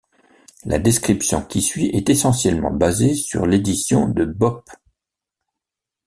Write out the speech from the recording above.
La description qui suit est essentiellement basée sur l'édition de Bopp.